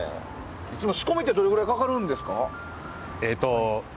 仕込みってどのくらいかかるんですか？